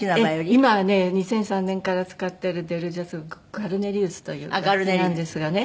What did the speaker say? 今はね２００３年から使ってるデル・ジェスグァルネリウスという楽器なんですがね。